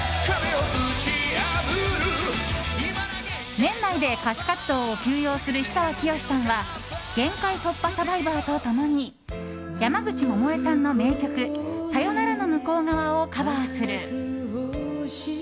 年内で歌手活動を休養する氷川きよしさんは「限界突破×サバイバー」と共に山口百恵さんの名曲「さよならの向う側」をカバーする。